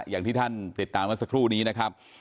อย่างที่ท่านติดตามเมื่อสักครู่นี้นะครับ